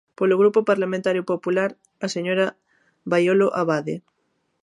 Polo Grupo Parlamentario Popular, a señora Baiolo Abade.